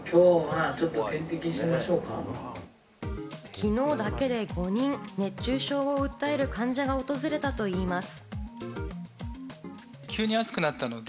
昨日だけで５人、熱中症を訴える患者が訪れたといいます。